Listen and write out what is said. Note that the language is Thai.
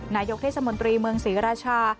นายกเทศมนตรีเมืองศรีราชา